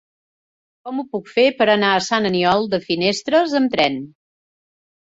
Com ho puc fer per anar a Sant Aniol de Finestres amb tren?